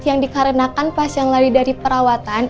yang dikarenakan pasien lari dari perawatan